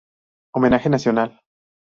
Homenaje nacional".